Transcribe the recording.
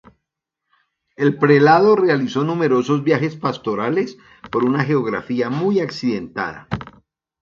El prelado realizó numerosos viajes pastorales por una geografía muy accidentada.